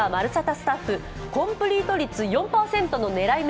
スタッフ、コンプリート率４％の狙い目